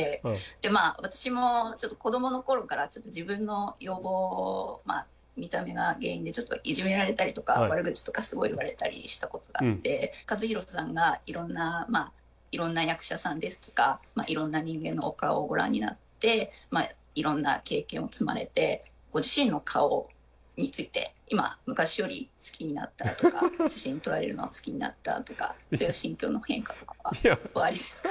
まあ私も子どもの頃からちょっと自分の容貌見た目が原因でいじめられたりとか悪口とかすごい言われたりしたことがあってカズ・ヒロさんがいろんな役者さんですとかいろんな人間のお顔をご覧になっていろんな経験を積まれてご自身の顔について今昔より好きになったとか写真撮られるのが好きになったとかそういう心境の変化とかはおありですか？